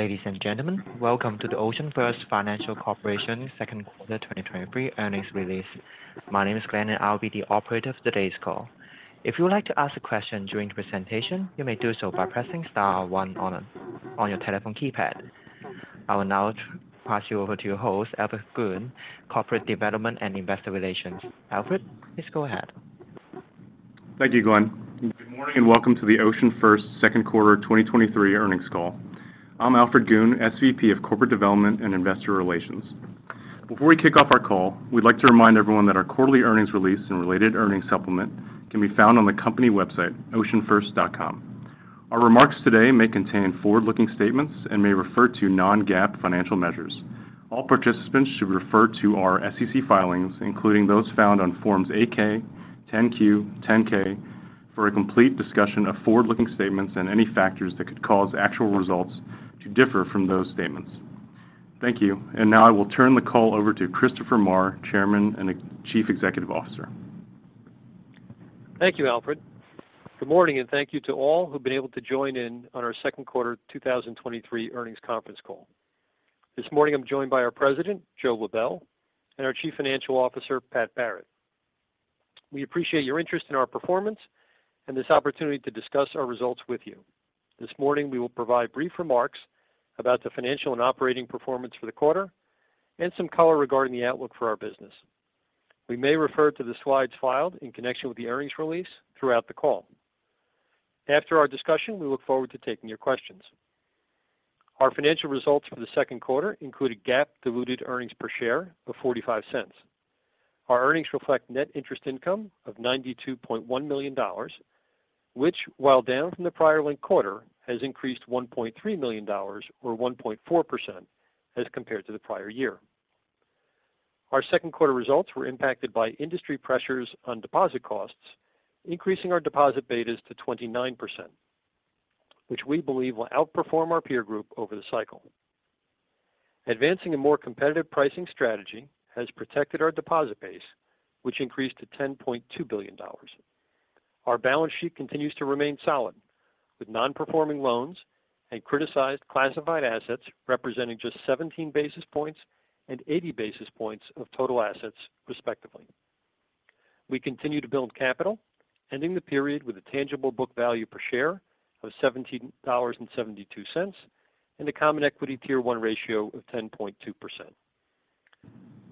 Ladies and gentlemen, welcome to the OceanFirst Financial Corporation second quarter 2023 earnings release. My name is Glenn, and I'll be the Operator of today's call. If you would like to ask a question during the presentation, you may do so by pressing star one on your telephone keypad. I will now pass you over to your host, Alfred Goon, Corporate Development and Investor Relations. Alfred, please go ahead. Thank you, Glenn. Good morning, welcome to the OceanFirst second quarter 2023 earnings call. I'm Alfred Goon, SVP of Corporate Development and Investor Relations. Before we kick off our call, we'd like to remind everyone that our quarterly earnings release and related earnings supplement can be found on the company website, oceanfirst.com. Our remarks today may contain forward-looking statements and may refer to Non-GAAP financial measures. All participants should refer to our SEC filings, including those found on Forms 8-K, 10-Q, 10-K, for a complete discussion of forward-looking statements and any factors that could cause actual results to differ from those statements. Thank you. Now I will turn the call over to Christopher Maher, Chairman and Chief Executive Officer. Thank you, Alfred. Good morning, thank you to all who've been able to join in on our second quarter 2023 earnings conference call. This morning, I'm joined by our President, Joe Lebel, and our Chief Financial Officer, Pat Barrett. We appreciate your interest in our performance and this opportunity to discuss our results with you. This morning, we will provide brief remarks about the financial and operating performance for the quarter and some color regarding the outlook for our business. We may refer to the slides filed in connection with the earnings release throughout the call. After our discussion, we look forward to taking your questions. Our financial results for the second quarter include a GAAP diluted earnings per share of $0.45. Our earnings reflect net interest income of $92.1 million, which, while down from the prior linked quarter, has increased $1.3 million or 1.4% as compared to the prior year. Our second quarter results were impacted by industry pressures on deposit costs, increasing our deposit betas to 29%, which we believe will outperform our peer group over the cycle. Advancing a more competitive pricing strategy has protected our deposit base, which increased to $10.2 billion. Our balance sheet continues to remain solid, with nonperforming loans and criticized classified assets representing just 17 basis points and 80 basis points of total assets, respectively. We continue to build capital, ending the period with a tangible book value per share of $17.72, and a Common Equity Tier 1 ratio of 10.2%.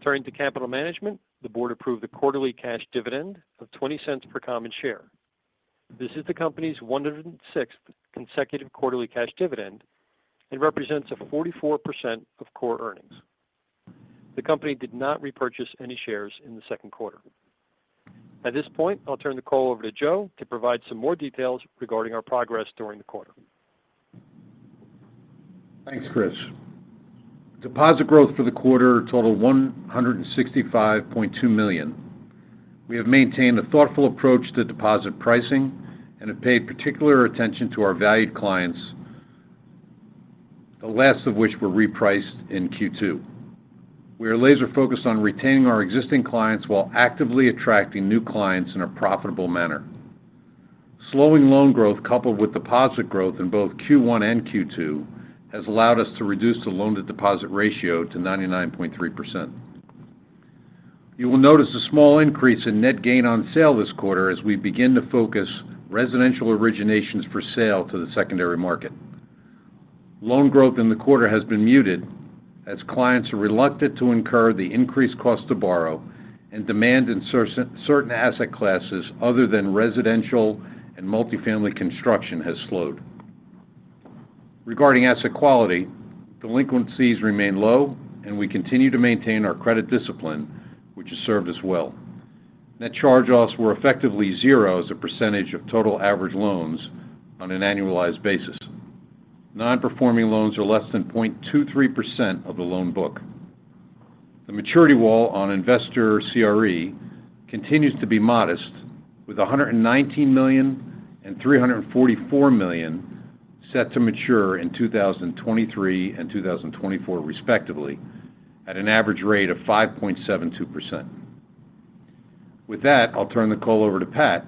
Turning to Capital Management, the board approved a quarterly cash dividend of $0.20 per common share. This is the company's 106th consecutive quarterly cash dividend and represents a 44% of core earnings. The company did not repurchase any shares in the second quarter. At this point, I'll turn the call over to Joe to provide some more details regarding our progress during the quarter. Thanks, Chris. Deposit growth for the quarter totaled $165.2 million. We have maintained a thoughtful approach to deposit pricing and have paid particular attention to our valued clients, the last of which were repriced in Q2. We are laser-focused on retaining our existing clients while actively attracting new clients in a profitable manner. Slowing loan growth, coupled with deposit growth in both Q1 and Q2, has allowed us to reduce the loan-to-deposit ratio to 99.3%. You will notice a small increase in net gain on sale this quarter as we begin to focus residential originations for sale to the secondary market. Loan growth in the quarter has been muted as clients are reluctant to incur the increased cost to borrow and demand in certain asset classes other than residential and multifamily construction has slowed. Regarding asset quality, delinquencies remain low, and we continue to maintain our credit discipline, which has served us well. Net charge-offs were effectively zero as a percentage of total average loans on an annualized basis. Non-performing loans are less than 0.23% of the loan book. The maturity wall on investor CRE continues to be modest, with $119 million and $344 million set to mature in 2023 and 2024, respectively, at an average rate of 5.72%. With that, I'll turn the call over to Pat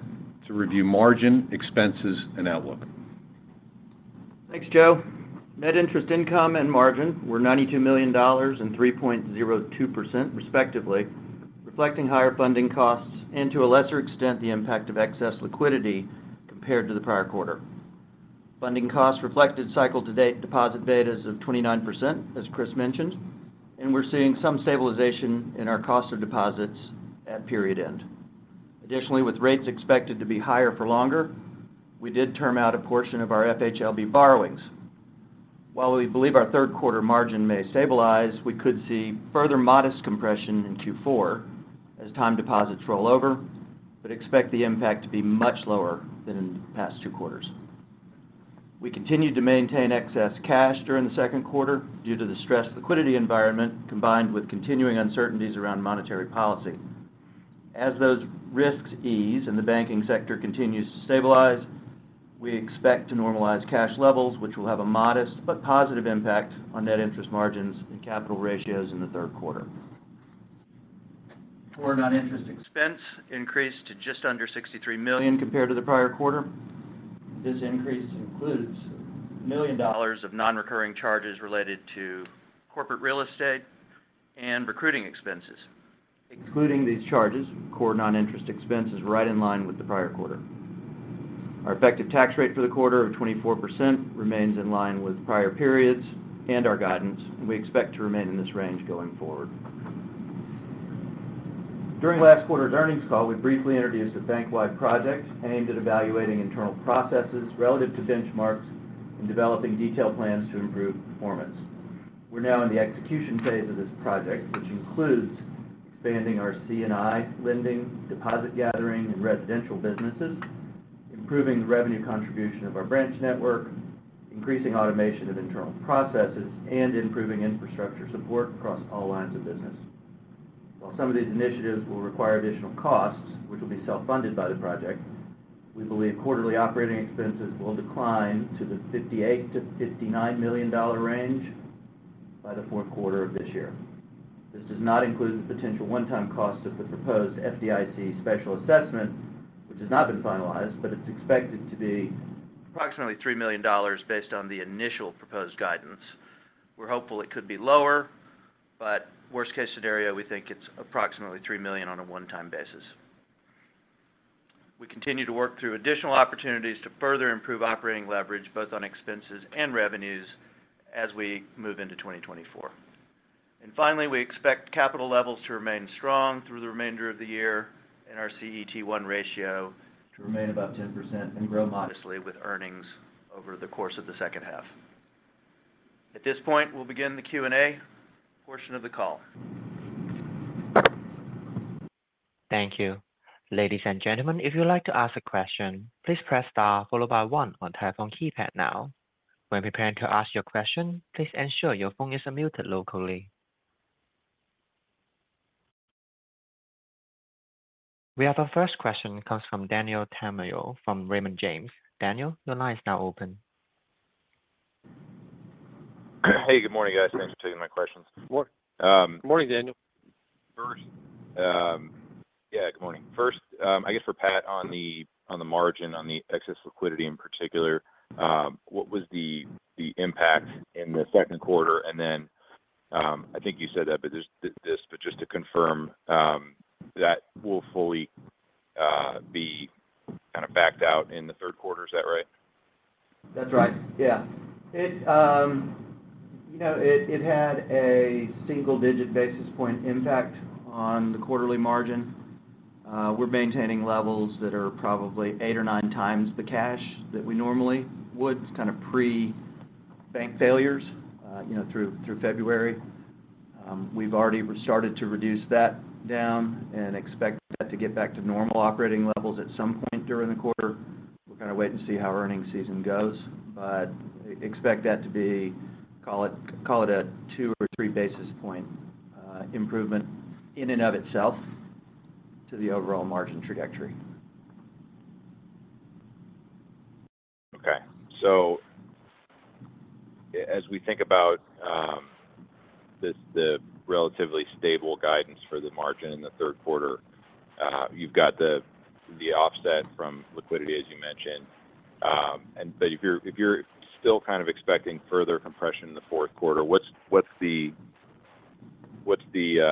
to review margin, expenses, and outlook. Thanks, Joe. Net interest income and margin were $92 million and 3.02%, respectively, reflecting higher funding costs and, to a lesser extent, the impact of excess liquidity compared to the prior quarter. Funding costs reflected cycle-to-date deposit betas of 29%, as Chris mentioned. We're seeing some stabilization in our cost of deposits at period end. Additionally, with rates expected to be higher for longer, we did term out a portion of our FHLB borrowings. While we believe our third quarter margin may stabilize, we could see further modest compression in Q4 as time deposits roll over. Expect the impact to be much lower than in the past two quarters. We continued to maintain excess cash during the second quarter due to the stressed liquidity environment, combined with continuing uncertainties around monetary policy. As those risks ease and the banking sector continues to stabilize, we expect to normalize cash levels, which will have a modest but positive impact on net interest margins and capital ratios in the third quarter. Core non-interest expense increased to just under $63 million compared to the prior quarter. This increase includes $1 million of non-recurring charges related to Corporate Real Estate and recruiting expenses. Including these charges, core non-interest expense is right in line with the prior quarter. Our effective tax rate for the quarter of 24% remains in line with prior periods and our guidance, and we expect to remain in this range going forward. During last quarter's earnings call, we briefly introduced a bank-wide project aimed at evaluating internal processes relative to benchmarks and developing detailed plans to improve performance. We're now in the execution phase of this project, which includes expanding our C&I lending, deposit gathering, and residential businesses, improving the revenue contribution of our branch network, increasing automation of internal processes, and improving infrastructure support across all lines of business. While some of these initiatives will require additional costs, which will be self-funded by the project, we believe quarterly operating expenses will decline to the $58 million-$59 million range by the fourth quarter of this year. This does not include the potential one-time cost of the proposed FDIC special assessment, which has not been finalized, it's expected to be approximately $3 million based on the initial proposed guidance. We're hopeful it could be lower, worst-case scenario, we think it's approximately $3 million on a one-time basis. We continue to work through additional opportunities to further improve operating leverage, both on expenses and revenues as we move into 2024. Finally, we expect capital levels to remain strong through the remainder of the year and our CET1 ratio to remain about 10% and grow modestly with earnings over the course of the second half. At this point, we'll begin the Q&A portion of the call. Thank you. Ladies and gentlemen, if you'd like to ask a question, please press star followed by one on telephone keypad now. When preparing to ask your question, please ensure your phone is muted locally. We have our first question comes from Daniel Tamayo from Raymond James. Daniel, your line is now open. Hey, good morning, guys. Thanks for taking my questions. good morning, Daniel. First, Yeah, good morning. First, I guess for Pat, on the, on the margin, on the excess liquidity in particular, what was the impact in the second quarter? Then, I think you said that, but just to confirm, that will fully be kind of backed out in the third quarter. Is that right? That's right. Yeah. It, you know, it had a single-digit basis point impact on the quarterly margin. We're maintaining levels that are probably eight or nine times the cash that we normally would, kind of pre-bank failures, you know, through February. We've already started to reduce that down and expect that to get back to normal operating levels at some point during the quarter. We're going to wait and see how earnings season goes, but expect that to be, call it a two or three basis point improvement in and of itself to the overall margin trajectory. Okay. As we think about this, the relatively stable guidance for the margin in the third quarter, you've got the offset from liquidity, as you mentioned. But if you're still kind of expecting further compression in the fourth quarter, what's the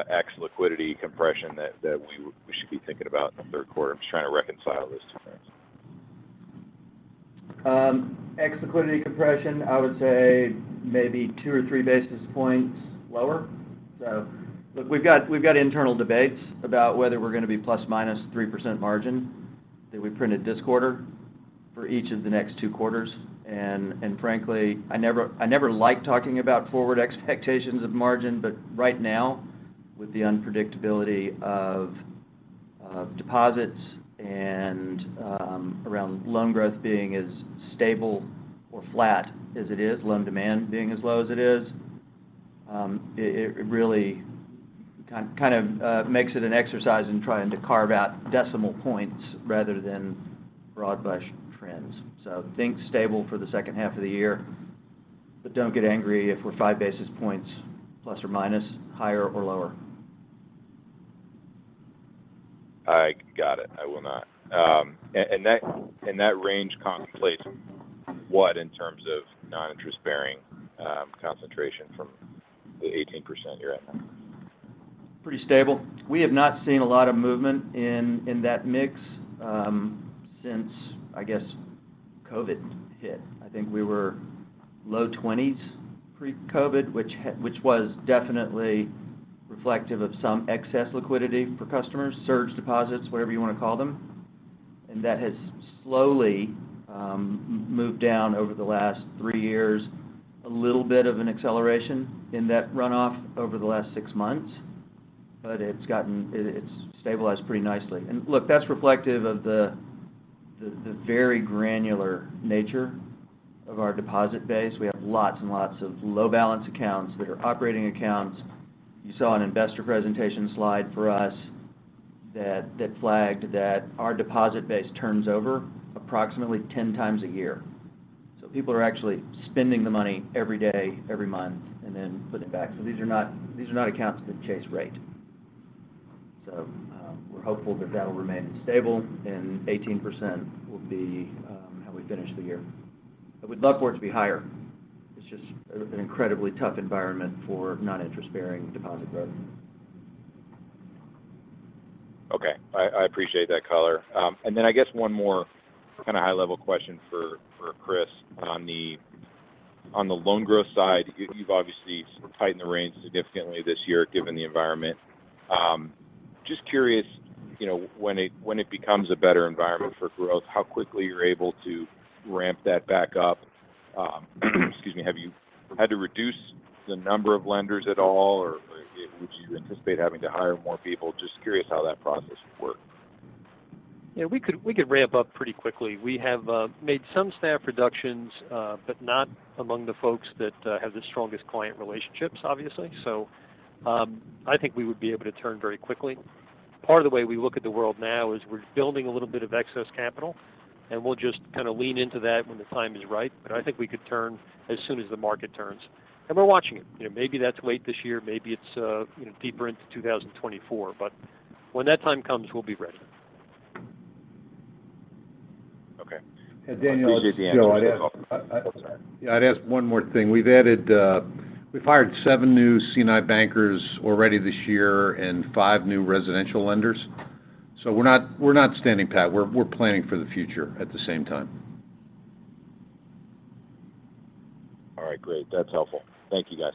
ex liquidity compression that we should be thinking about in the third quarter? I'm just trying to reconcile those two things. Ex liquidity compression, I would say maybe two or three basis points lower. Look, we've got internal debates about whether we're going to be + or -3% margin, that we printed this quarter for each of the next two quarters. Frankly, I never liked talking about forward expectations of margin, but right now, with the unpredictability of deposits and around loan growth being as stable or flat as it is, loan demand being as low as it is, it really kind of makes it an exercise in trying to carve out decimal points rather than broad brush trends. Think stable for the second half of the year, but don't get angry if we're 5 basis points plus or minus, higher or lower. I got it. I will not. That range contemplates what, in terms of non-interest bearing, concentration from the 18% you're at now? Pretty stable. We have not seen a lot of movement in that mix since, I guess, COVID hit. I think we were low 20s pre-COVID, which was definitely reflective of some excess liquidity for customers, surge deposits, whatever you want to call them. That has slowly moved down over the last three years. A little bit of an acceleration in that runoff over the last six months, but it's stabilized pretty nicely. Look, that's reflective of the very granular nature of our deposit base. We have lots and lots of low balance accounts that are operating accounts. You saw an investor presentation slide for us that flagged that our deposit base turns over approximately 10 times a year. People are actually spending the money every day, every month, and then putting it back. These are not accounts that chase rate. We're hopeful that that'll remain stable, and 18% will be how we finish the year. I would love for it to be higher. It's just an incredibly tough environment for non-interest-bearing deposit growth. Okay. I appreciate that color. I guess one more kind of high-level question for Chris on the loan growth side. You've obviously tightened the reins significantly this year, given the environment. Just curious, you know, when it becomes a better environment for growth, how quickly you're able to ramp that back up? Excuse me. Have you had to reduce the number of lenders at all, or would you anticipate having to hire more people? Just curious how that process would work. Yeah, we could, we could ramp up pretty quickly. We have made some staff reductions, but not among the folks that have the strongest client relationships, obviously. I think we would be able to turn very quickly. Part of the way we look at the world now is we're building a little bit of excess capital, and we'll just kind of lean into that when the time is right. I think we could turn as soon as the market turns, and we're watching it. You know, maybe that's late this year, maybe it's, you know, deeper into 2024, but when that time comes, we'll be ready. Okay. Daniel. I appreciate the answer. Yeah, I'd ask. Oh, sorry. I'd ask one more thing. We've hired seven new C&I Bankers already this year and five new residential lenders. We're not standing pat. We're planning for the future at the same time. All right, great. That's helpful. Thank you, guys.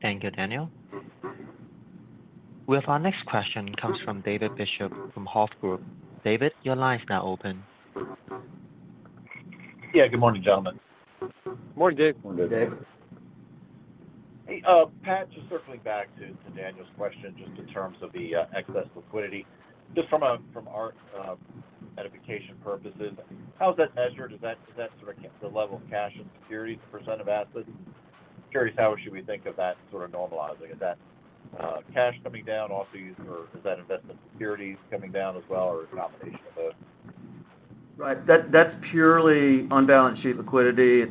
Thank you, Daniel. We have our next question comes from David Bishop from Hovde Group. David, your line is now open. Yeah, good morning, gentlemen. Morning, David. Morning, David. Hey, Pat, just circling back to Daniel's question, just in terms of the excess liquidity. Just from our edification purposes, how is that measured? Is that sort of the level of cash and securities % of assets? Curious, how should we think of that sort of normalizing? Is that cash coming down off these, or is that investment securities coming down as well, or a combination of both? Right. That's purely on balance sheet liquidity.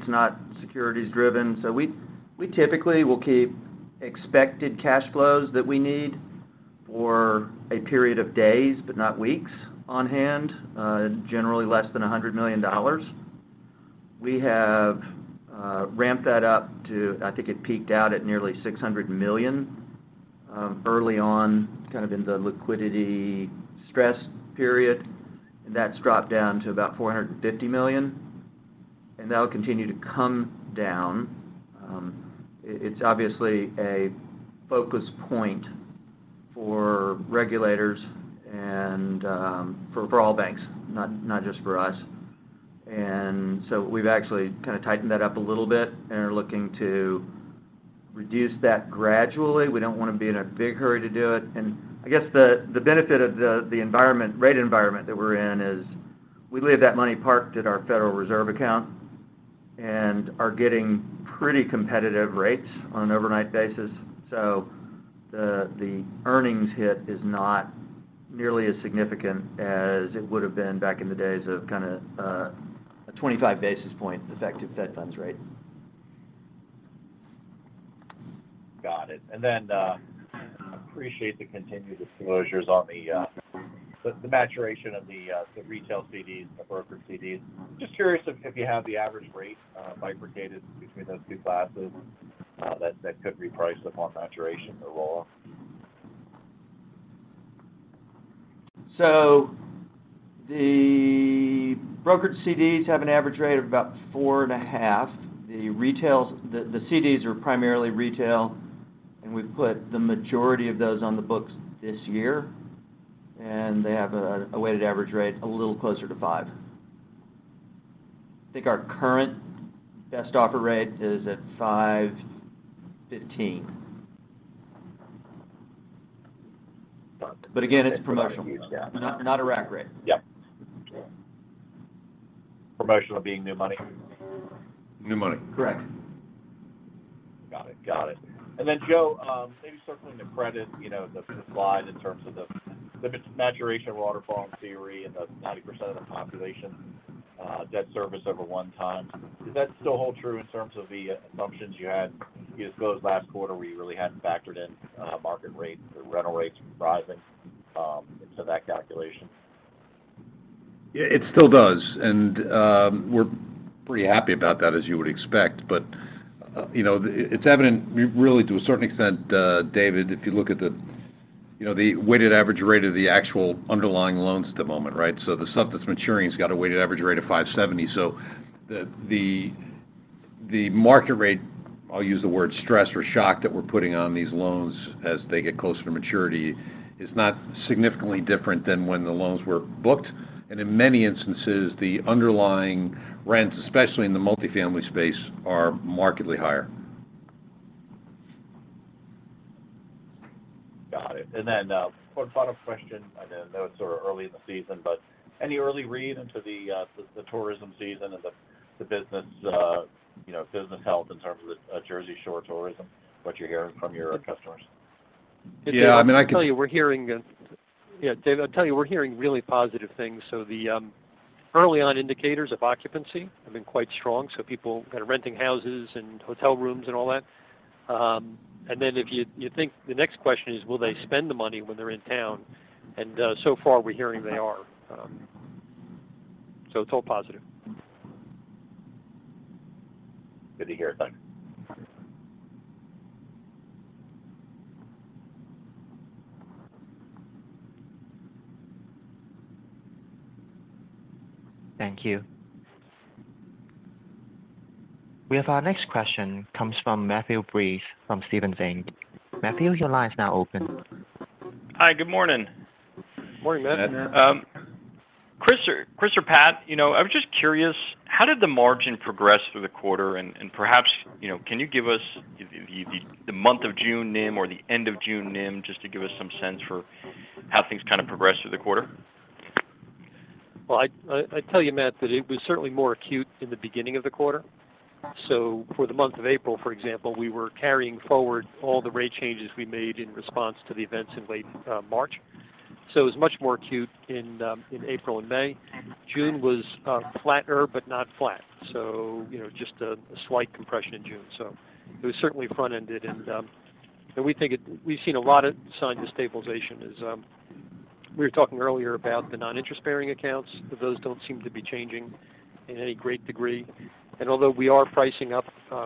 It's not securities-driven. We typically will keep expected cash flows that we need for a period of days, but not weeks, on hand. Generally less than $100 million. We have ramped that up. I think it peaked out at nearly $600 million early on, kind of in the liquidity stress period. That's dropped down to about $450 million, and that'll continue to come down. It's obviously a focus point for regulators and for all Banks, not just for us. We've actually kind of tightened that up a little bit and are looking to reduce that gradually. We don't want to be in a big hurry to do it. I guess the benefit of the environment, rate environment that we're in is, we leave that money parked at our Federal Reserve account and are getting pretty competitive rates on an overnight basis. The, the earnings hit is not nearly as significant as it would have been back in the days of kind of, a 25 basis point effective federal funds rate. Got it. Appreciate the continued disclosures on the maturation of the retail CDs, the broker CDs. Just curious if you have the average rate bifurcated between those two classes that could reprice upon maturation or loss? The brokered CDs have an average rate of about 4.5%. The retail CDs are primarily retail. We've put the majority of those on the books this year. They have a weighted average rate, a little closer to 5%. I think our current best offer rate is at 5.15%. Got it. again, it's promotional. Yeah. Not a, not a rack rate. Yep. Promotional being new money? New money. Correct. Got it. Got it. Joe, maybe circling the credit, you know, the maturation waterfall theory and the 90% of the population, debt service over 1 time. Does that still hold true in terms of the assumptions you had? You disclosed last quarter, where you really hadn't factored in market rates or rental rates rising into that calculation. Yeah, it still does, and we're pretty happy about that, as you would expect. You know, it's evident, we really, to a certain extent, David, if you look at the, you know, the weighted average rate of the actual underlying loans at the moment, right? The stuff that's maturing has got a weighted average rate of 5.70. The market rate, I'll use the word stress or shock, that we're putting on these loans as they get closer to maturity, is not significantly different than when the loans were booked. In many instances, the underlying rents, especially in the multifamily space, are markedly higher. Got it. One final question. I know it's sort of early in the season, but any early read into the tourism season and the business, you know, business health in terms of the Jersey Shore tourism, what you're hearing from your customers? Yeah, I mean, I can tell you, we're hearing, Dave, I'll tell you, we're hearing really positive things. The early on indicators of occupancy have been quite strong, so people are kind of renting houses and hotel rooms and all that. Then if you think the next question is, will they spend the money when they're in town? So far, we're hearing they are. It's all positive. Good to hear. Thanks. Thank you. We have our next question comes from Matthew Breese, from Stephens Inc. Matthew, your line is now open. Hi, good morning. Morning, Matt. Morning, Matt. Chris or Pat, you know, I was just curious, how did the margin progress through the quarter? Perhaps, you know, can you give us the month of June NIM or the end of June NIM, just to give us some sense for how things kind of progressed through the quarter? Well, I tell you, Matt, that it was certainly more acute in the beginning of the quarter. For the month of April, for example, we were carrying forward all the rate changes we made in response to the events in late March. It was much more acute in April and May. June was flatter, but not flat. You know, just a slight compression in June. It was certainly front-ended and we think we've seen a lot of signs of stabilization as we were talking earlier about the non-interest-bearing accounts, those don't seem to be changing in any great degree. Although we are pricing up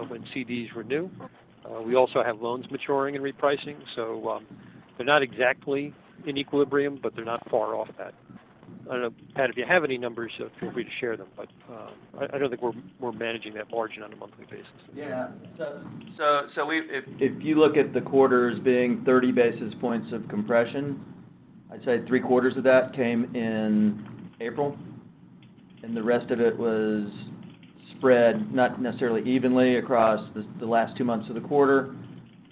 when CDs renew, we also have loans maturing and repricing. They're not exactly in equilibrium, but they're not far off that. I don't know, Pat, if you have any numbers, feel free to share them, but, I don't think we're managing that margin on a monthly basis. Yeah. We've if you look at the quarter as being 30 basis points of compression, I'd say three-quarters of that came in April, and the rest of it was spread, not necessarily evenly, across the last two months of the quarter.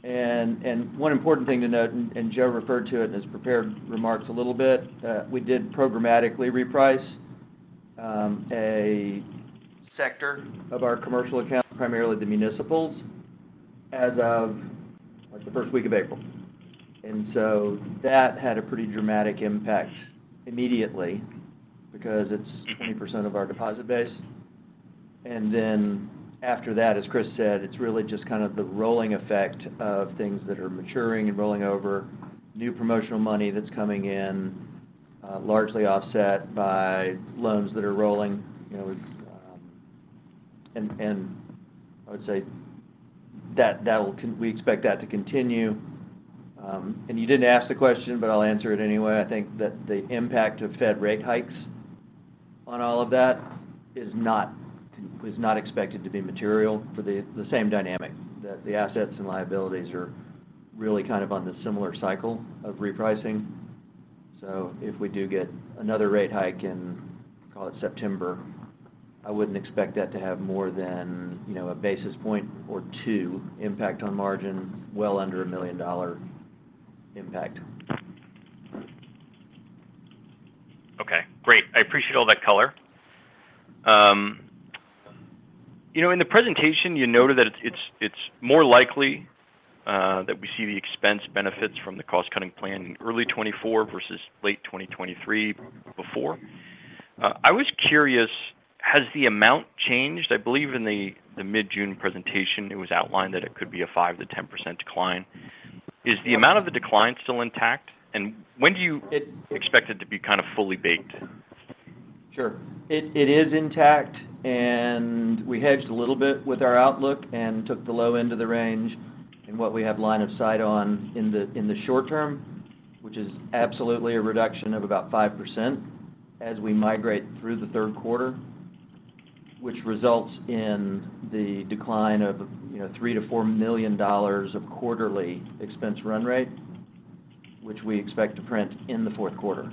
One important thing to note, Joe referred to it in his prepared remarks a little bit, we did programmatically reprice a sector of our Commercial Accounts, primarily the Municipals, as of, like, the first week of April. That had a pretty dramatic impact immediately because it's 20% of our deposit base. After that, as Chris said, it's really just kind of the rolling effect of things that are maturing and rolling over, new promotional money that's coming in, largely offset by loans that are rolling. You know, and I would say that we expect that to continue. You didn't ask the question, but I'll answer it anyway. I think that the impact of Fed rate hikes on all of that was not expected to be material for the same dynamic, that the assets and liabilities are really kind of on the similar cycle of repricing. If we do get another rate hike in, call it September, I wouldn't expect that to have more than, you know, one basis point or two impact on margin, well under a $1 million impact. Okay, great. I appreciate all that color. you know, in the presentation, you noted that it's, it's more likely that we see the expense benefits from the cost-cutting plan in early 2024 versus late 2023 before. I was curious, has the amount changed? I believe in the mid-June presentation, it was outlined that it could be a 5%-10% decline. Is the amount of the decline still intact? And when do you expect it to be kind of fully baked? Sure. It is intact. We hedged a little bit with our outlook and took the low end of the range in what we have line of sight on in the short term, which is absolutely a reduction of about 5% as we migrate through the third quarter, which results in the decline of, you know, $3 million-$4 million of quarterly expense run rate, which we expect to print in the fourth quarter.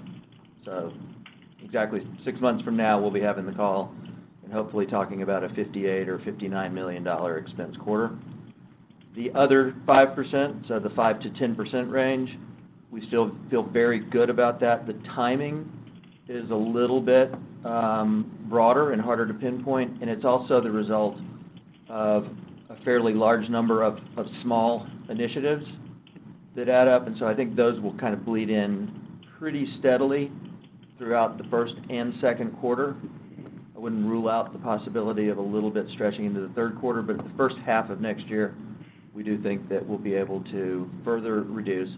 Exactly six months from now, we'll be having the call and hopefully talking about a $58 million or $59 million expense quarter. The other 5%, the 5%-10% range, we still feel very good about that. The timing is a little bit broader and harder to pinpoint, and it's also the result of a fairly large number of small initiatives that add up. I think those will kind of bleed in pretty steadily throughout the first and second quarter. I wouldn't rule out the possibility of a little bit stretching into the third quarter, but the first half of next year, we do think that we'll be able to further reduce.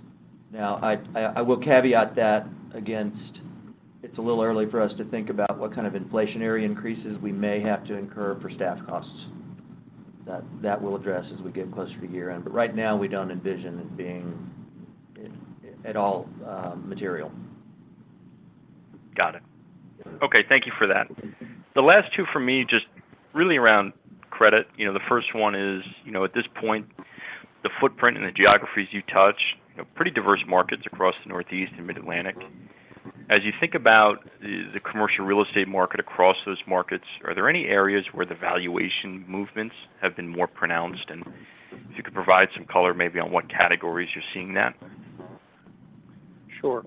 I will caveat that against it's a little early for us to think about what kind of inflationary increases we may have to incur for staff costs. That we'll address as we get closer to year-end. Right now, we don't envision it being at all material. Got it. Yeah. Okay, thank you for that. The last two for me, just really around credit. You know, the first one is, you know, at this point, the footprint and the geographies you touch, you know, pretty diverse markets across the Northeast and Mid-Atlantic. As you think about the commercial real estate market across those markets, are there any areas where the valuation movements have been more pronounced? If you could provide some color maybe on what categories you're seeing that. Sure.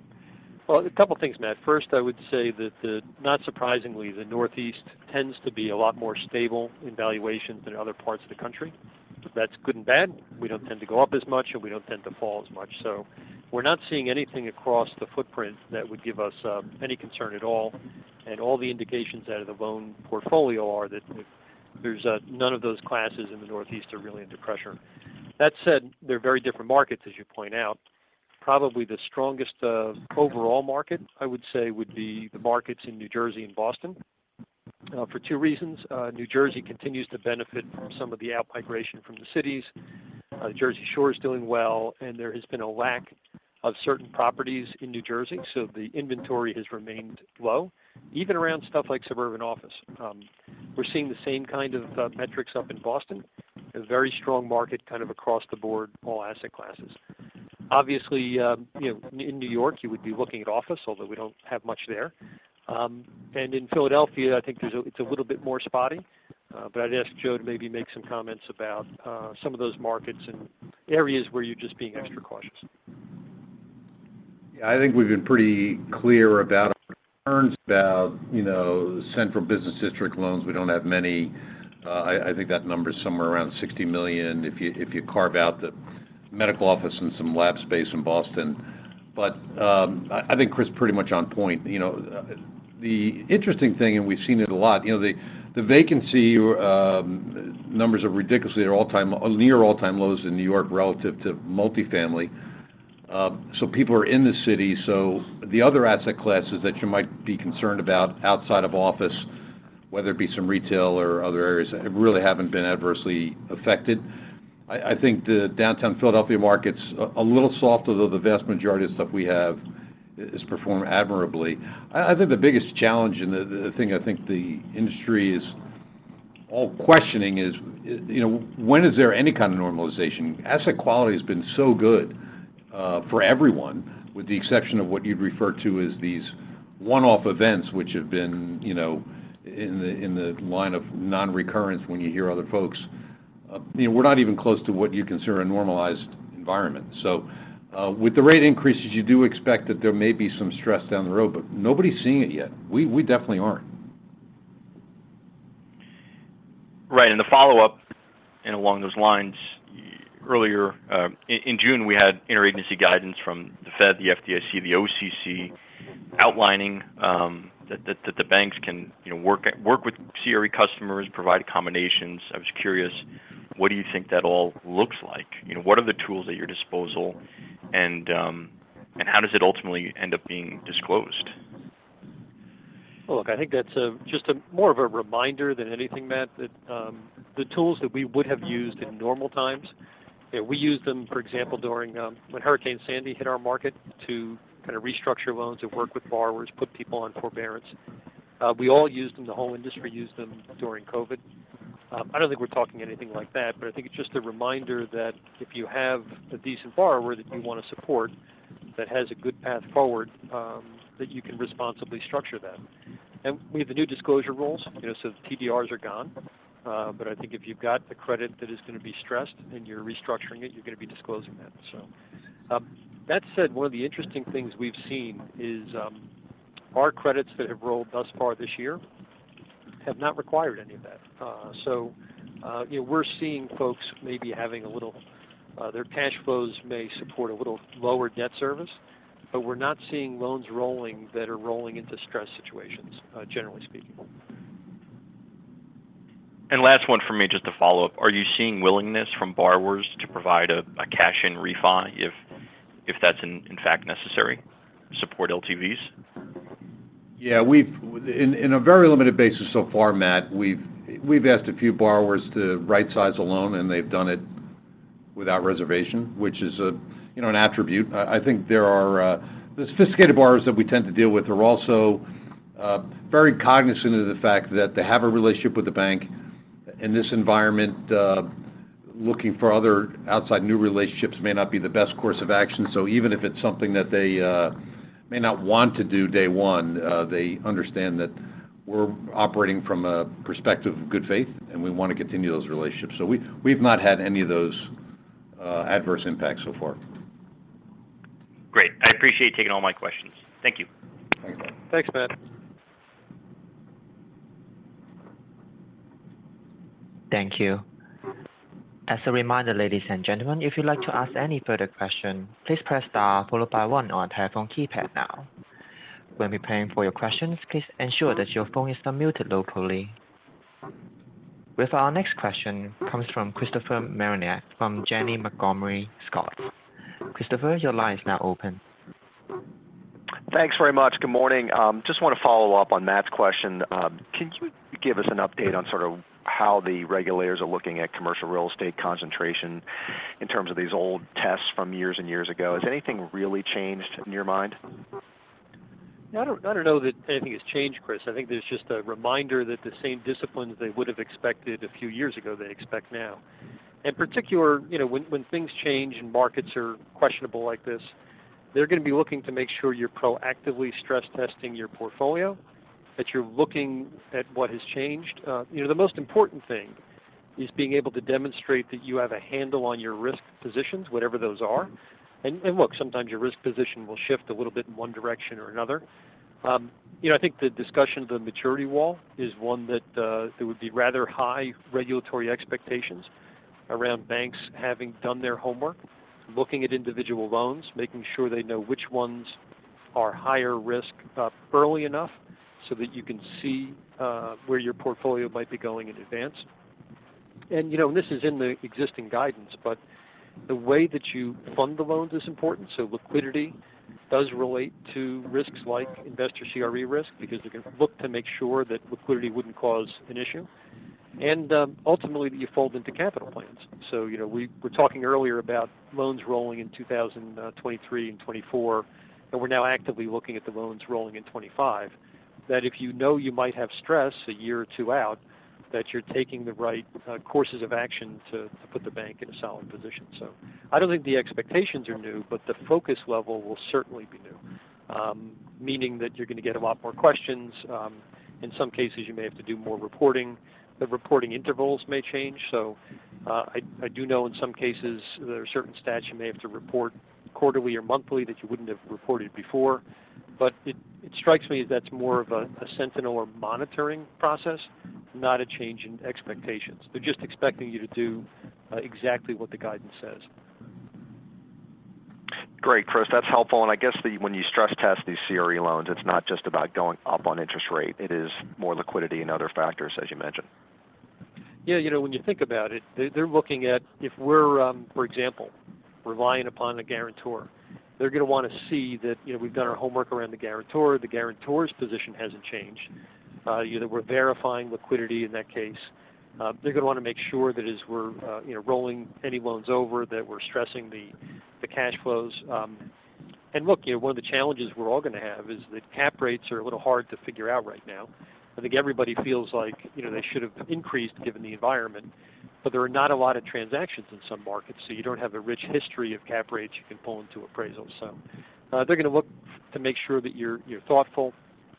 Well, a couple things, Matt. First, I would say that the, not surprisingly, the Northeast tends to be a lot more stable in valuations than other parts of the country. That's good and bad. We don't tend to go up as much, and we don't tend to fall as much. We're not seeing anything across the footprint that would give us any concern at all. All the indications out of the loan portfolio are that there's none of those classes in the Northeast are really under pressure. That said, they're very different markets, as you point out. Probably the strongest overall market, I would say, would be the markets in New Jersey and Boston for two reasons. New Jersey continues to benefit from some of the out-migration from the cities. Jersey Shore is doing well, and there has been a lack of certain properties in New Jersey, so the inventory has remained low, even around stuff like suburban office. We're seeing the same kind of metrics up in Boston, a very strong market, kind of across the board, all asset classes. Obviously, you know, in New York, you would be looking at office, although we don't have much there. In Philadelphia, I think it's a little bit more spotty, but I'd ask Joe to maybe make some comments about some of those markets and areas where you're just being extra cautious. Yeah, I think we've been pretty clear about our concerns, about, you know, central business district loans. We don't have many. I think that number is somewhere around $60 million, if you carve out the medical office and some lab space in Boston. I think Chris is pretty much on point. You know, the interesting thing, and we've seen it a lot, you know, the vacancy numbers are ridiculously their near all-time lows in New York relative to multifamily. People are in the city, so the other asset classes that you might be concerned about outside of office, whether it be some retail or other areas, really haven't been adversely affected. I think the downtown Philadelphia market's a little softer, though the vast majority of stuff we have has performed admirably. I think the biggest challenge, and the thing I think the industry is all questioning is, you know, when is there any kind of normalization? Asset quality has been so good for everyone, with the exception of what you'd refer to as these one-off events, which have been, you know, in the line of non-recurrence when you hear other folks. You know, we're not even close to what you'd consider a normalized environment. With the rate increases, you do expect that there may be some stress down the road, but nobody's seeing it yet. We definitely aren't. Right, the follow-up, and along those lines, earlier, in June, we had interagency guidance from the Fed, the FDIC, the OCC, outlining that the banks can, you know, work with CRE customers, provide accommodations. I was curious, what do you think that all looks like? You know, what are the tools at your disposal, and how does it ultimately end up being disclosed? Well, look, I think that's just a more of a reminder than anything, Matthew Breese, that the tools that we would have used in normal times, that we used them, for example, during when Hurricane Sandy hit our market, to kind of restructure loans and work with borrowers, put people on forbearance. We all used them. The whole industry used them during COVID. I don't think we're talking anything like that, but I think it's just a reminder that if you have a decent borrower that you want to support, that has a good path forward, that you can responsibly structure that. We have the new disclosure rules, you know, the TDRs are gone. I think if you've got the credit that is going to be stressed and you're restructuring it, you're going to be disclosing that. That said, one of the interesting things we've seen is, our credits that have rolled thus far this year have not required any of that. You know, we're seeing folks maybe having a little, their cash flows may support a little lower debt service, but we're not seeing loans rolling that are rolling into stress situations, generally speaking. Last one for me, just to follow up. Are you seeing willingness from borrowers to provide a cash in refi, if that's in fact necessary, support LTVs? Yeah, in a very limited basis so far, Matt, we've asked a few borrowers to rightsize a loan, and they've done it without reservation, which is, you know, an attribute. I think there are the sophisticated borrowers that we tend to deal with are also very cognizant of the fact that they have a relationship with the bank. In this environment, looking for other outside new relationships may not be the best course of action. Even if it's something that they may not want to do day one, they understand that we're operating from a perspective of good faith, and we want to continue those relationships. We've not had any of those adverse impacts so far. Great. I appreciate you taking all my questions. Thank you. Thanks, Matt. Thanks, Matt. Thank you. As a reminder, ladies and gentlemen, if you'd like to ask any further questions, please press star followed by one on your phone keypad now. When preparing for your questions, please ensure that your phone is unmuted locally. With our next question comes from Christopher Marinac, from Janney Montgomery Scott. Christopher, your line is now open. Thanks very much. Good morning. Just want to follow up on Matt's question. Can you give us an update on sort of how the regulators are looking at commercial real estate concentration in terms of these old tests from years and years ago? Has anything really changed in your mind? I don't know that anything has changed, Chris. I think there's just a reminder that the same disciplines they would have expected a few years ago, they expect now. In particular, you know, when things change and markets are questionable like this, they're going to be looking to make sure you're proactively stress testing your portfolio, that you're looking at what has changed. you know, the most important thing is being able to demonstrate that you have a handle on your risk positions, whatever those are. Look, sometimes your risk position will shift a little bit in one direction or another. You know, I think the discussion of the maturity wall is one that there would be rather high regulatory expectations around banks having done their homework, looking at individual loans, making sure they know which ones are higher risk, early enough so that you can see where your portfolio might be going in advance. You know, this is in the existing guidance, but the way that you fund the loans is important. Liquidity does relate to risks like investor CRE risk, because they can look to make sure that liquidity wouldn't cause an issue, and ultimately, that you fold into capital plans. You know, we were talking earlier about loans rolling in 2023 and 2024, and we're now actively looking at the loans rolling in 2025. If you know you might have stress a year or two out, that you're taking the right courses of action to put the bank in a solid position. I don't think the expectations are new, but the focus level will certainly be new. Meaning that you're going to get a lot more questions. In some cases, you may have to do more reporting. The reporting intervals may change. I do know in some cases there are certain stats you may have to report quarterly or monthly that you wouldn't have reported before, but it strikes me that's more of a sentinel or monitoring process, not a change in expectations. They're just expecting you to do exactly what the guidance says. Great, Chris, that's helpful. I guess when you stress test these CRE loans, it is more liquidity and other factors, as you mentioned. Yeah, you know, when you think about it, they're looking at if we're, for example, relying upon a guarantor, they're going to want to see that, you know, we've done our homework around the guarantor. The guarantor's position hasn't changed. You know, we're verifying liquidity in that case. They're going to want to make sure that as we're, you know, rolling any loans over, that we're stressing the cash flows. Look, you know, one of the challenges we're all going to have is that cap rates are a little hard to figure out right now. I think everybody feels like, you know, they should have increased given the environment, there are not a lot of transactions in some markets, so you don't have a rich history of cap rates you can pull into appraisals. They're going to look to make sure that you're thoughtful,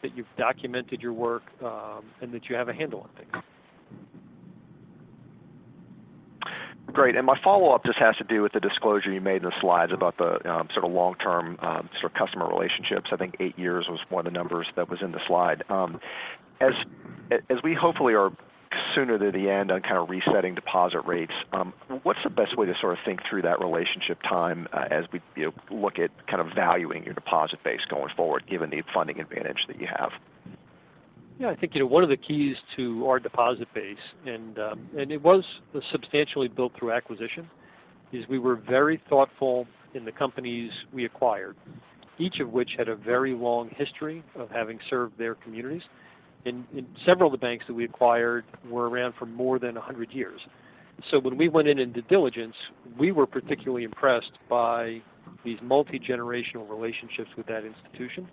that you've documented your work, and that you have a handle on things. Great. My follow-up just has to do with the disclosure you made in the slides about the, sort of long-term, sort of customer relationships. I think 8 years was one of the numbers that was in the slide. As we hopefully are sooner than the end on kind of resetting deposit rates, what's the best way to sort of think through that relationship time, as we, you know, look at kind of valuing your deposit base going forward, given the funding advantage that you have? Yeah, I think, you know, one of the keys to our deposit base, and it was substantially built through acquisition, is we were very thoughtful in the companies we acquired, each of which had a very long history of having served their communities. Several of the banks that we acquired were around for more than 100 years. When we went in in due diligence, we were particularly impressed by these multigenerational relationships with that institution.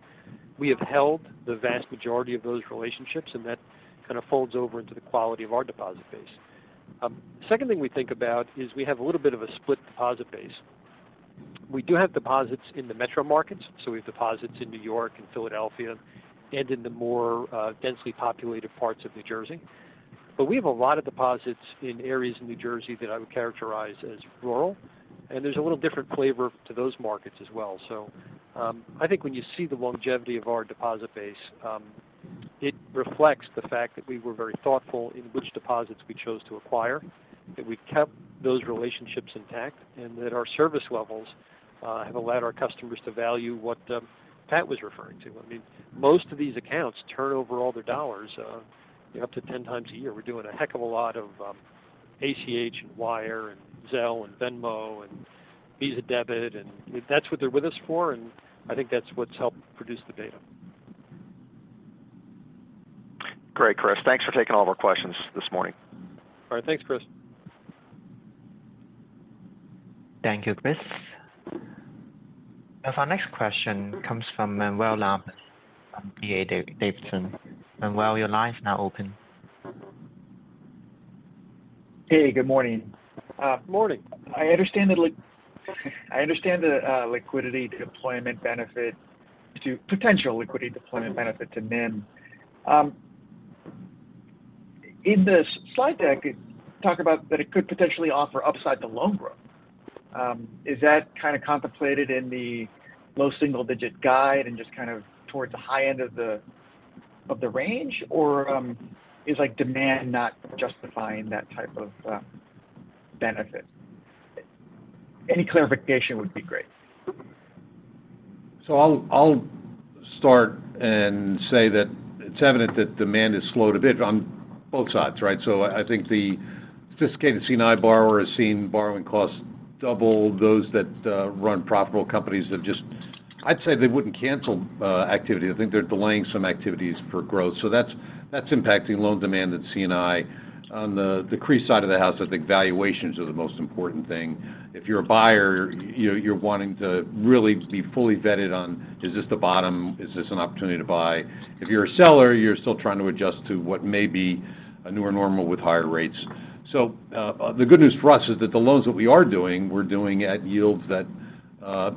We have held the vast majority of those relationships, and that kind of folds over into the quality of our deposit base. Second thing we think about is we have a little bit of a split deposit base. We do have deposits in the metro markets, so we have deposits in New York and Philadelphia and in the more densely populated parts of New Jersey. We have a lot of deposits in areas in New Jersey that I would characterize as rural, and there's a little different flavor to those markets as well. I think when you see the longevity of our deposit base, it reflects the fact that we were very thoughtful in which deposits we chose to acquire, that we've kept those relationships intact, and that our service levels have allowed our customers to value what Pat was referring to. I mean, most of these accounts turn over all their dollars up to 10x a year. We're doing a heck of a lot of ACH and Wire and Zelle and Venmo and Visa Debit, and that's what they're with us for, and I think that's what's helped produce the data. Great, Chris. Thanks for taking all of our questions this morning. All right. Thanks, Chris. Thank you, Chris. Our next question comes from Manuel Navas, from D.A. Davidson. Manuel, your line is now open. Hey, good morning. Good morning. I understand the liquidity deployment benefit to potential liquidity deployment benefit to NIM. In this slide deck, it talk about that it could potentially offer upside to loan growth. Is that kind of contemplated in the low single-digit guide and just kind of towards the high end of the range? Is like demand not justifying that type of benefit? Any clarification would be great. I'll start and say that it's evident that demand has slowed a bit on both sides, right? I think the sophisticated C&I borrower has seen borrowing costs double those that run profitable companies I'd say they wouldn't cancel activity. I think they're delaying some activities for growth. That's impacting loan demand at C&I. On the decreased side of the house, I think valuations are the most important thing. If you're a buyer, you're wanting to really be fully vetted on, is this the bottom? Is this an opportunity to buy? If you're a seller, you're still trying to adjust to what may be a newer normal with higher rates. The good news for us is that the loans that we are doing, we're doing at yields that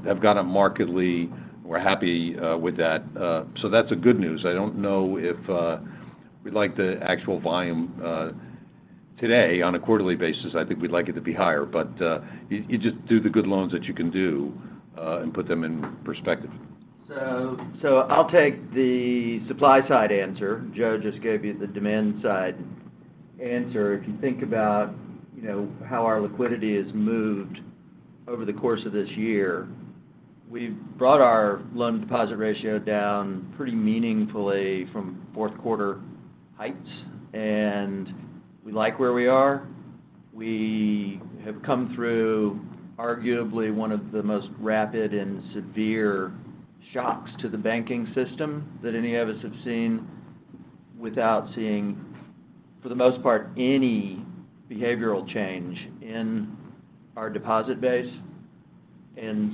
have gone up markedly. We're happy with that. That's a good news. I don't know if we'd like the actual volume today, on a quarterly basis, I think we'd like it to be higher. You just do the good loans that you can do and put them in perspective. I'll take the supply side answer. Joe just gave you the demand side answer. If you think about, you know, how our liquidity has moved over the course of this year, we've brought our loan-to-deposit ratio down pretty meaningfully from fourth quarter heights, and we like where we are. We have come through arguably one of the most rapid and severe shocks to the banking system that any of us have seen, without seeing, for the most part, any behavioral change in our deposit base.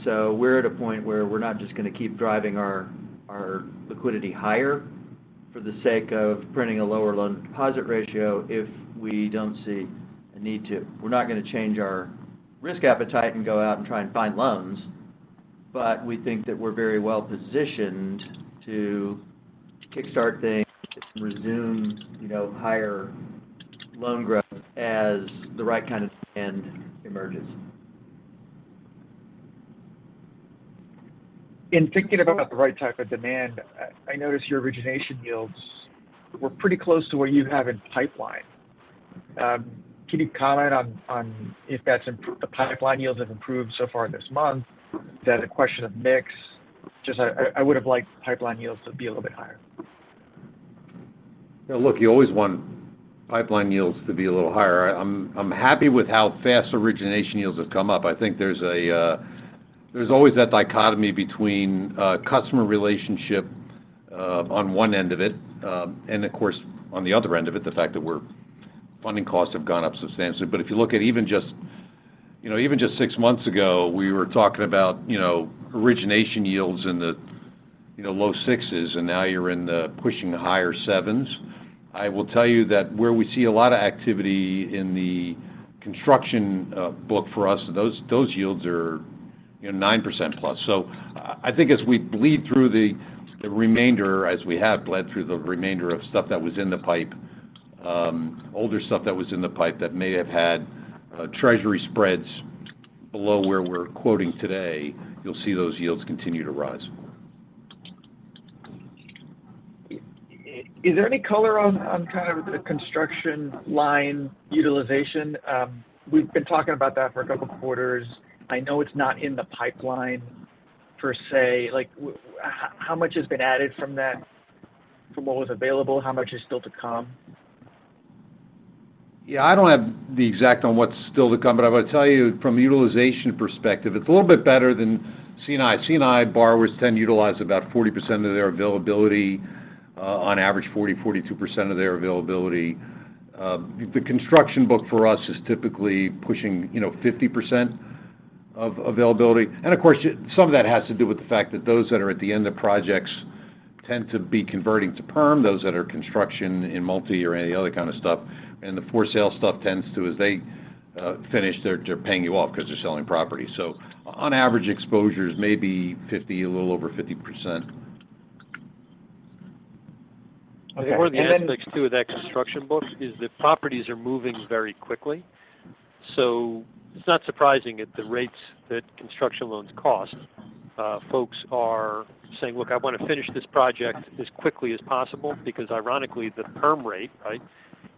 We're at a point where we're not just going to keep driving our liquidity higher for the sake of printing a lower loan-to-deposit ratio if we don't see a need to. We're not going to change our risk appetite and go out and try and find loans, but we think that we're very well positioned to kickstart things and resume, you know, higher loan growth as the right kind of spend emerges. In thinking about the right type of demand, I notice your origination yields were pretty close to where you have in pipeline. Can you comment on if that's improved, the pipeline yields have improved so far this month? Is that a question of mix? Just I would have liked pipeline yields to be a little bit higher. Look, you always want pipeline yields to be a little higher. I'm happy with how fast origination yields have come up. I think there's a there's always that dichotomy between customer relationship on one end of it. Of course, on the other end of it, the fact that funding costs have gone up substantially. If you look at even just, you know, even just six months ago, we were talking about, you know, origination yields in the, you know, low sixes, and now you're in the pushing the higher sevens. I will tell you that where we see a lot of activity in the construction book for us, those yields are, you know, 9%+. I think as we bleed through the remainder, as we have bled through the remainder of stuff that was in the pipe, older stuff that was in the pipe that may have had treasury spreads below where we're quoting today, you'll see those yields continue to rise. Is there any color on kind of the construction line utilization? We've been talking about that for a couple of quarters. I know it's not in the pipeline per se. Like, how much has been added from that, from what was available? How much is still to come? I don't have the exact on what's still to come, but I would tell you from a utilization perspective, it's a little bit better than C&I. C&I borrowers tend to utilize about 40% of their availability, on average, 40%-42% of their availability. The Construction Book for us is typically pushing, you know, 50% of availability. Of course, some of that has to do with the fact that those that are at the end of projects tend to be converting to perm, those that are construction in multi or any other kind of stuff. The for-sale stuff tends to, as they finish, they're paying you off because they're selling property. On average, exposure is maybe 50%, a little over 50%. Okay. The appendix to of that construction book is the properties are moving very quickly. It's not surprising at the rates that construction loans cost. Folks are saying, "Look, I want to finish this project as quickly as possible," because ironically, the perm rate, right,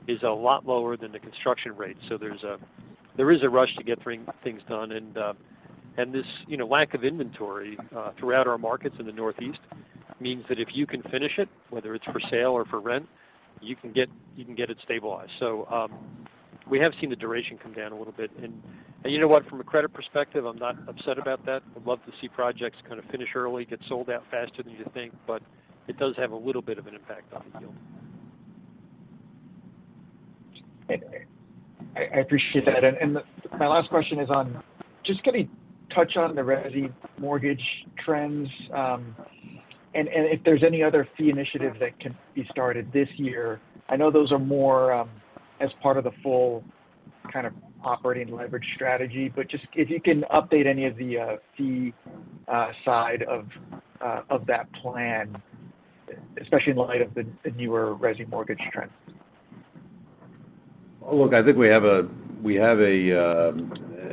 is a lot lower than the construction rate. There is a rush to get things done. This, you know, lack of inventory throughout our markets in the Northeast, means that if you can finish it, whether it's for sale or for rent, you can get it stabilized. We have seen the duration come down a little bit. You know what? From a credit perspective, I'm not upset about that. I'd love to see projects kind of finish early, get sold out faster than you think, but it does have a little bit of an impact on the yield. I appreciate that. My last question is on, just can we touch on the resi mortgage trends, and if there's any other fee initiatives that can be started this year? I know those are more as part of the full kind of operating leverage strategy, but just if you can update any of the fee side of that plan, especially in light of the newer resi mortgage trends? Look, I think we have a,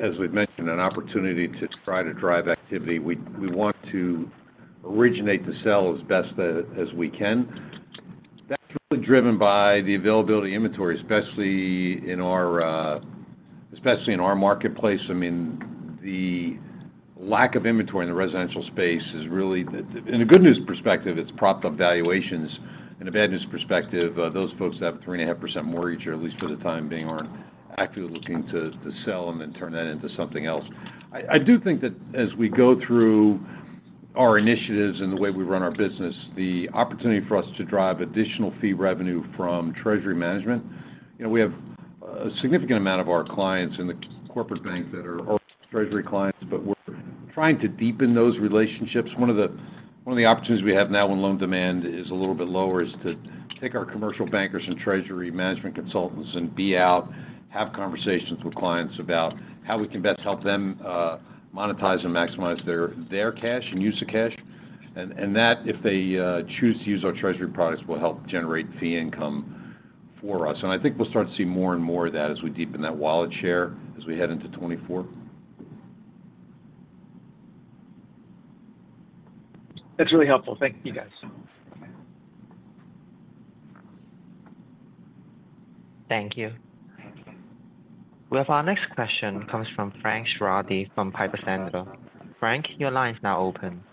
as we've mentioned, an opportunity to try to drive activity. We want to originate to sell as best as we can. That's really driven by the availability of inventory, especially in our marketplace. I mean, the lack of inventory in the residential space. In a good news perspective, it's propped up valuations. In a bad news perspective, those folks that have a 3.5% mortgage, or at least for the time being, are actively looking to sell and then turn that into something else. I do think that as we go through our initiatives and the way we run our business, the opportunity for us to drive additional fee revenue from treasury management, you know, we have a significant amount of our clients in the corporate bank that are treasury clients, but we're trying to deepen those relationships. One of the opportunities we have now when loan demand is a little bit lower, is to take our commercial bankers and treasury management consultants and be out, have conversations with clients about how we can best help them monetize and maximize their cash and use of cash. That, if they choose to use our treasury products, will help generate fee income for us. I think we'll start to see more and more of that as we deepen that wallet share as we head into 2024. That's really helpful. Thank you, guys. Thank you. Well, our next question comes from Frank Schiraldi from Piper Sandler. Frank, your line is now open.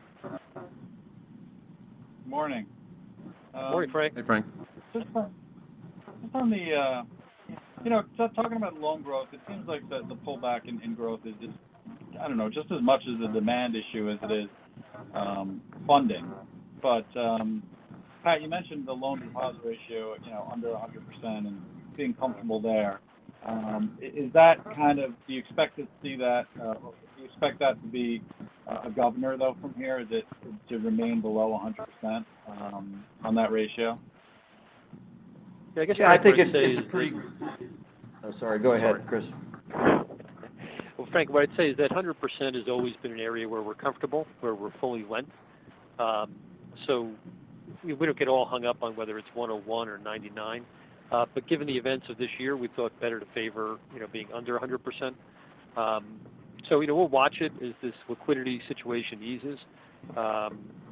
Morning. Morning, Frank. Hey, Frank. Just on the, you know, talking about loan growth, it seems like the pullback in growth is just, I don't know, just as much as a demand issue as it is funding. Pat, you mentioned the loan-to-deposit ratio, you know, under 100% and being comfortable there. Is that do you expect to see that do you expect that to be a governor, though, from here, is it to remain below 100% on that ratio? Yeah, I guess I'd. Oh, sorry. Go ahead, Chris. Well, Frank, what I'd say is that 100% has always been an area where we're comfortable, where we're fully lent. We don't get all hung up on whether it's 101 or 99. Given the events of this year, we thought better to favor, you know, being under a 100%. You know, we'll watch it as this liquidity situation eases.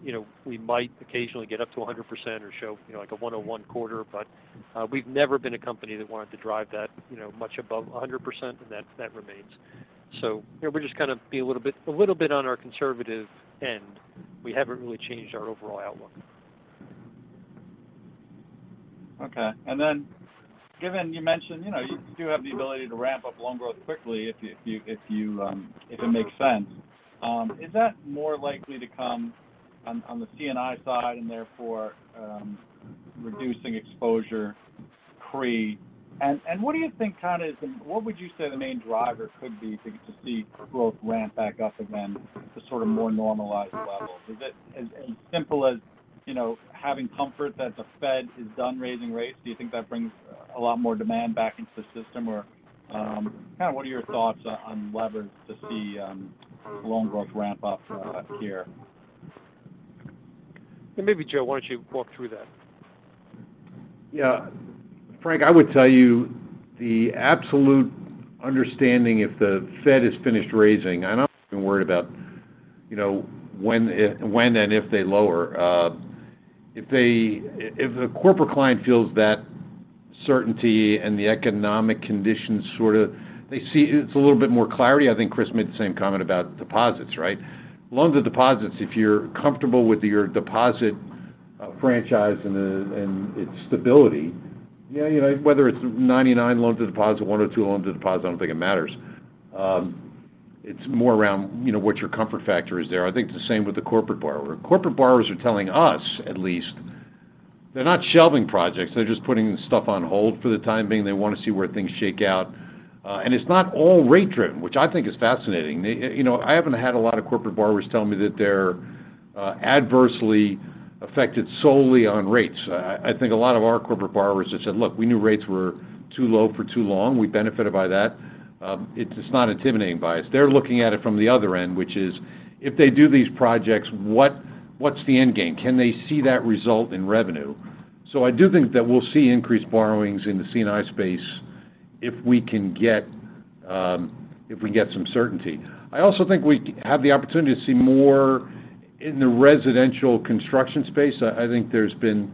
You know, we might occasionally get up to a 100% or show, you know, like a 101.25%, we've never been a company that wanted to drive that, you know, much above a 100%, and that remains. You know, we're just gonna be a little bit on our conservative end. We haven't really changed our overall outlook. Okay. Given you mentioned, you know, you do have the ability to ramp up loan growth quickly if you, if it makes sense. Is that more likely to come on the C&I side and therefore, reducing exposure pre? what do you think kind of is the main driver could be to see growth ramp back up again to sort of more normalized levels? Is it as simple as, you know, having comfort that the Fed is done raising rates? Do you think that brings a lot more demand back into the system? Kind of what are your thoughts on leverage to see loan growth ramp up here? Maybe, Joe, why don't you walk through that? Frank, I would tell you the absolute understanding, if the Fed is finished raising, I'm not even worried about, you know, when and if they lower. If they, if the corporate client feels that certainty and the economic conditions they see it's a little bit more clarity. I think Chris made the same comment about deposits, right? Loans to deposits, if you're comfortable with your deposit franchise and its stability, you know, whether it's 99 Loans to deposit, one or two loans to deposit, I don't think it matters. It's more around, you know, what your comfort factor is there. I think it's the same with the Corporate Borrower. Corporate Borrowers are telling us, at least, they're not shelving projects. They're just putting stuff on hold for the time being. They want to see where things shake out. It's not all rate-driven, which I think is fascinating. You know, I haven't had a lot of corporate borrowers tell me that they're adversely affected solely on rates. I think a lot of our corporate borrowers have said, "Look, we knew rates were too low for too long. We benefited by that." It's just not intimidating by us. They're looking at it from the other end, which is, if they do these projects, what's the end game? Can they see that result in revenue? I do think that we'll see increased borrowings in the C&I space if we can get, if we get some certainty. I also think we have the opportunity to see more in the residential construction space. I think there's been,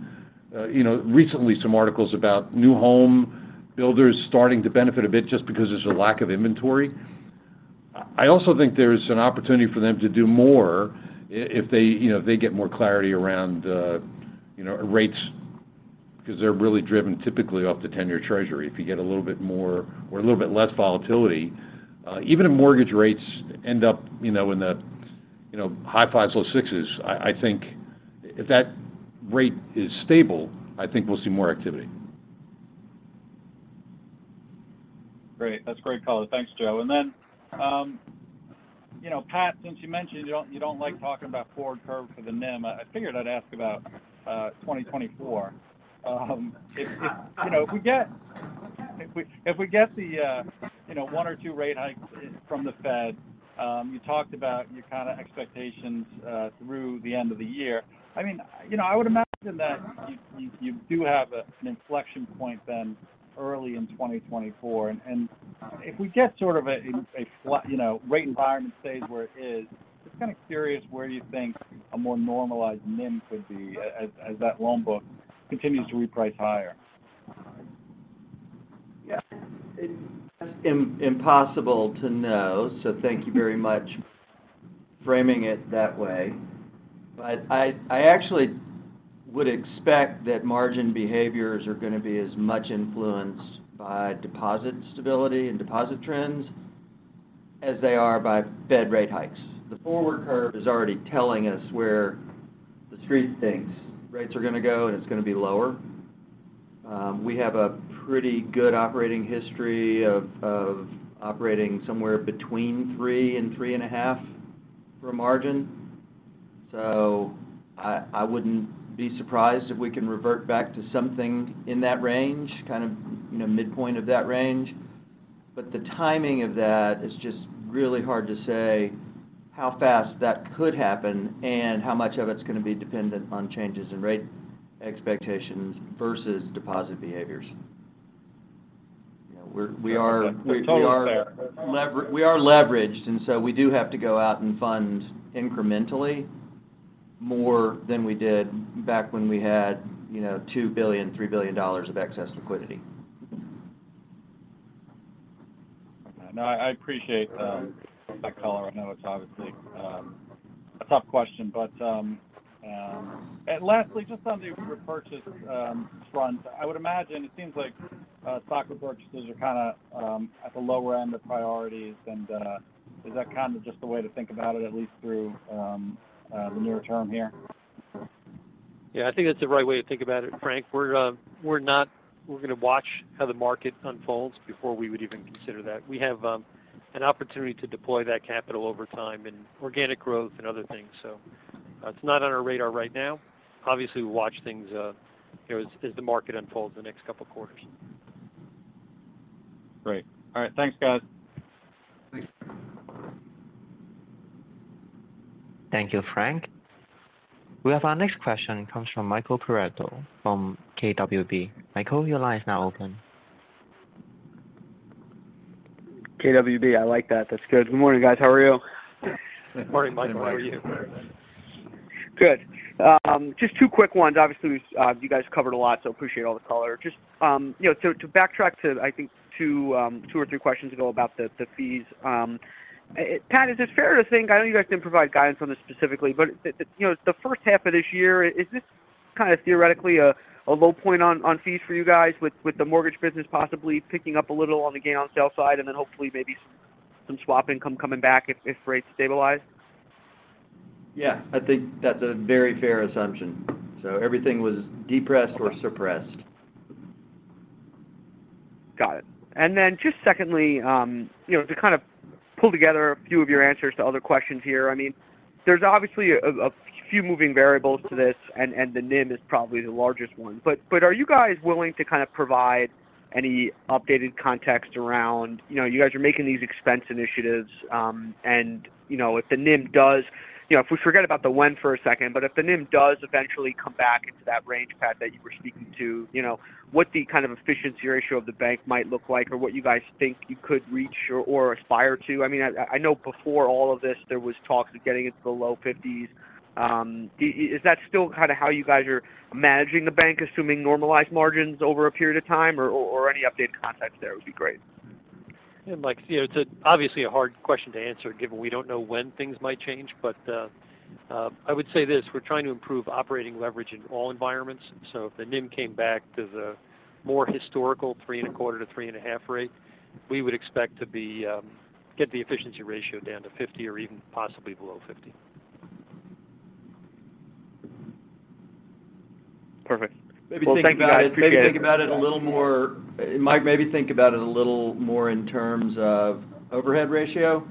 you know, recently some articles about new home builders starting to benefit a bit just because there's a lack of inventory. I also think there's an opportunity for them to do more if they, you know, if they get more clarity around, you know, rates, because they're really driven typically off the 10-year Treasury. If you get a little bit more or a little bit less volatility, even if mortgage rates end up, you know, in the, you know, high fives, low sixes, I think if that rate is stable, I think we'll see more activity. Great. That's a great call. Thanks, Joe. You know, Pat, since you mentioned you don't, you don't like talking about forward curve for the NIM, I figured I'd ask about 2024. If, you know, if we get the, you know, one or two rate hikes from the Fed, you talked about your kind of expectations through the end of the year. I mean, you know, I would imagine that you do have an inflection point then early in 2024. If we get sort of a flat, you know, rate environment stays where it is, just kind of curious, where you think a more normalized NIM could be as that loan book continues to reprice higher? It's impossible to know. Thank you very much framing it that way. I actually would expect that margin behaviors are going to be as much influenced by deposit stability and deposit trends as they are by Fed rate hikes. The forward curve is already telling us where the street thinks rates are going to go. It's going to be lower. We have a pretty good operating history of operating somewhere between three and 3.5% for a margin. I wouldn't be surprised if we can revert back to something in that range, kind of, you know, midpoint of that range. The timing of that is just really hard to say how fast that could happen and how much of it's going to be dependent on changes in rate expectations versus deposit behaviors. You know, we are. Totally fair. We are leveraged, and so we do have to go out and fund incrementally more than we did back when we had, you know, $2 billion, $3 billion of excess liquidity. No, I appreciate that color. I know it's obviously a tough question, but lastly, just on the repurchase front, I would imagine it seems like stock repurchases are kind of at the lower end of priorities. Is that kind of just the way to think about it, at least through the near term here? I think that's the right way to think about it, Frank. We're not going to watch how the market unfolds before we would even consider that. We have an opportunity to deploy that capital over time in organic growth and other things, so it's not on our radar right now. We watch things, you know, as the market unfolds the next couple of quarters. Great. All right. Thanks, guys. Thanks. Thank you, Frank. We have our next question comes from Michael Perito from KBW. Michael, your line is now open. KBW, I like that. That's good. Good morning, guys. How are you? Good morning, Michael. How are you? Good. Good. Just two quick ones. Obviously, you guys covered a lot, so appreciate all the color. Just, you know, to backtrack to, I think two or three questions ago about the fees. Pat, is it fair to think, I know you guys didn't provide guidance on this specifically, but, you know, the first half of this year, is this kind of theoretically a low point on fees for you guys with the mortgage business possibly picking up a little on the gain on sale side, and then hopefully maybe some swap income coming back if rates stabilize? Yeah, I think that's a very fair assumption. Everything was depressed or suppressed. Got it. Just secondly, you know, to kind of pull together a few of your answers to other questions here, I mean, there's obviously a few moving variables to this, and the NIM is probably the largest one. Are you guys willing to kind of provide any updated context around. You know, you guys are making these expense initiatives, and, you know, if the NIM does, if we forget about the when for a second, but if the NIM does eventually come back into that range, Pat, that you were speaking to, you know, what the kind of efficiency ratio of the bank might look like or what you guys think you could reach or aspire to? I mean, I know before all of this, there was talks of getting it to the low 50s. Is that still kind of how you guys are managing the bank, assuming normalized margins over a period of time or any updated context there would be great? Yeah, Mike, you know, it's obviously a hard question to answer, given we don't know when things might change, but I would say this: we're trying to improve operating leverage in all environments. If the NIM came back to the more historical 3.25%-3.5% rate, we would expect to be, get the efficiency ratio down to 50 or even possibly below 50. Perfect. Well, thank you, guys. Appreciate it. Maybe think about it a little more, Mike, in terms of overhead ratio.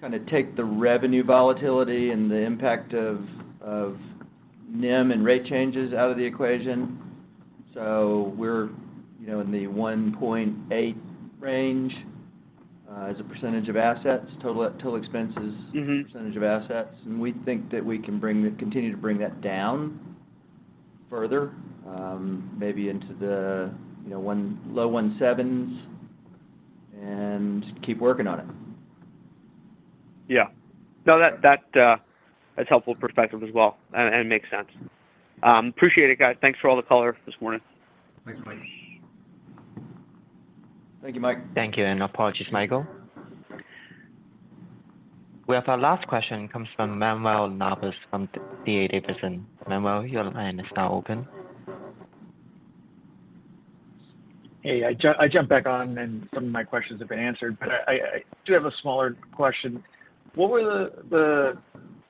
Kind of take the revenue volatility and the impact of NIM and rate changes out of the equation. We're, you know, in the 1.8% range as a percentage of assets, total expenses. Mm-hmm. Percentage of assets. We think that we can continue to bring that down further, maybe into the, you know, low one sevens, and keep working on it. Yeah. No, that, that's helpful perspective as well and makes sense. Appreciate it, guys. Thanks for all the color this morning. Thanks, Mike. Thank you, Mike. Thank you, and apologies, Michael. We have our last question comes from Manuel Navas, from D.A. Davidson. Manuel, your line is now open. Hey, I jumped back on and some of my questions have been answered, but I do have a smaller question. What were the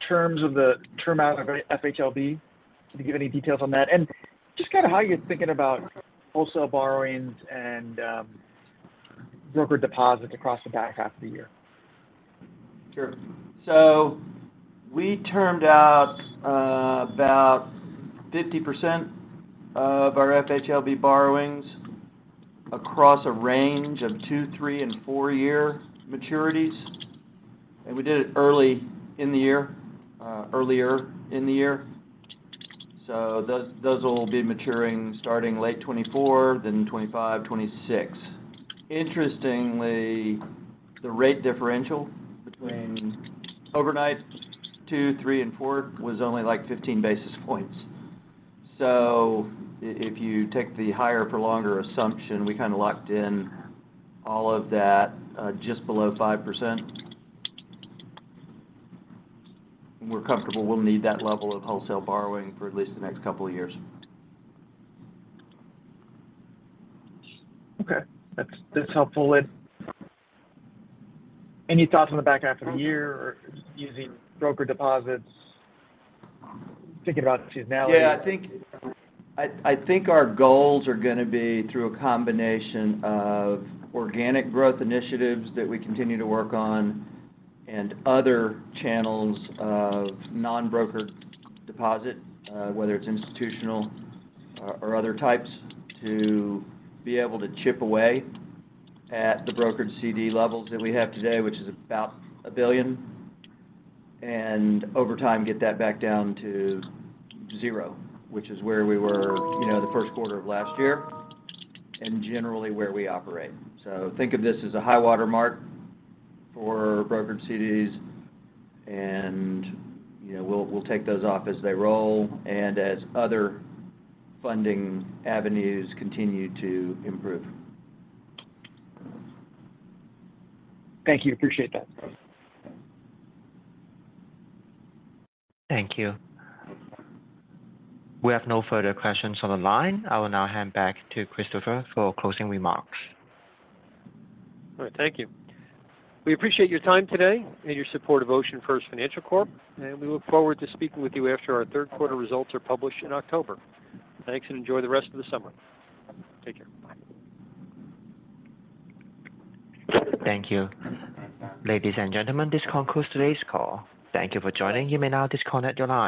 terms of the term out of FHLB? Can you give any details on that? Just kind of how you're thinking about wholesale borrowings and broker deposits across the back half of the year. Sure. We termed out about 50% of our FHLB borrowings across a range of two, three, and four-year maturities. We did it early in the year, earlier in the year. Those will be maturing starting late 2024, then 2025, 2026. Interestingly, the rate differential between overnight two, three, and four was only like 15 basis points. If you take the higher for longer assumption, we kind of locked in all of that just below 5%. We're comfortable we'll need that level of wholesale borrowing for at least the next couple of years. Okay. That's helpful. Any thoughts on the back half of the year or using broker deposits, thinking about seasonality? Yeah, I think our goals are going to be through a combination of organic growth initiatives that we continue to work on and other channels of non-broker deposit, whether it's institutional or other types, to be able to chip away at the brokered CD levels that we have today, which is about $1 billion. Over time, get that back down to 0, which is where we were, you know, the first quarter of last year, and generally where we operate. Think of this as a high-water mark for brokered CDs, and, you know, we'll take those off as they roll and as other funding avenues continue to improve. Thank you. Appreciate that. Thank you. We have no further questions on the line. I will now hand back to Christopher for closing remarks. All right. Thank you. We appreciate your time today and your support of OceanFirst Financial Corp, and we look forward to speaking with you after our third quarter results are published in October. Thanks, and enjoy the rest of the summer. Take care. Bye. Thank you. Ladies and gentlemen, this concludes today's call. Thank you for joining. You may now disconnect your line.